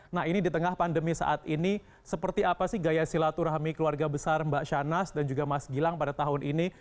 nah ini di tengah pandemi saat ini seperti apa sih gaya silaturahmi keluarga besar mbak shanas dan juga mas gilang pada tahun ini